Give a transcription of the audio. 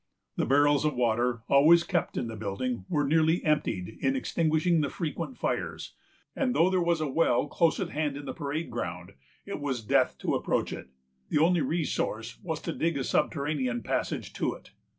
The barrels of water, always kept in the building, were nearly emptied in extinguishing the frequent fires; and though there was a well close at hand, in the parade ground, it was death to approach it. The only resource was to dig a subterranean passage to it.